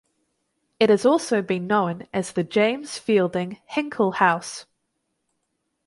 It has also been known as the James Fielding Hinkle House.